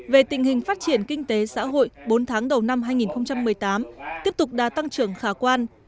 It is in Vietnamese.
về tình hình phát triển kinh tế xã hội bốn tháng đầu năm hai nghìn một mươi tám tiếp tục đã tăng trưởng khả quan